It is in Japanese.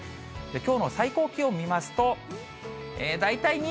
きょうの最高気温見ますと。